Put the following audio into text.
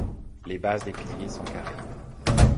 Les bases des pilliers sont carrées.